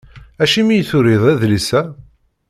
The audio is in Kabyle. Acimi i turiḍ adlis-a?